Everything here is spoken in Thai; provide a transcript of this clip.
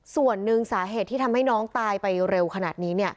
ส่วนหนึ่งสาเหตุที่ทำให้น้องตายไปเร็วขนาดนี้